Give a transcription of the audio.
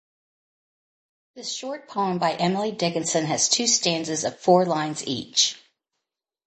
This short poem by Emily Dickinson has two stanzas of four lines each.